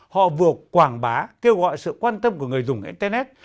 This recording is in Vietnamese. họ vừa quảng bá kêu gọi sự quan tâm của người dùng internet